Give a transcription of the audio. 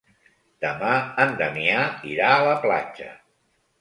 Demà en Damià irà a la platja.